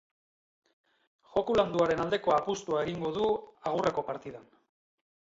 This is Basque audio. Joko landuaren aldeko apustua egingo du agurreko partidan.